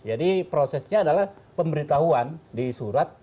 jadi prosesnya adalah pemberitahuan di surat